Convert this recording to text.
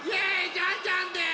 ジャンジャンです！